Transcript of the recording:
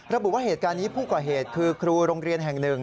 ระบุว่าเหตุการณ์นี้ผู้ก่อเหตุคือครูโรงเรียนแห่งหนึ่ง